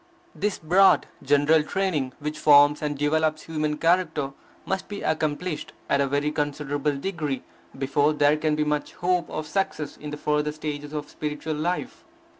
This broad, general training, which forms and develops human character, must be accomplished to a very considerable degree, before there can be much hope of success in the further stages of spiritual life.